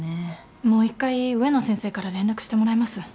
もう一回植野先生から連絡してもらいます。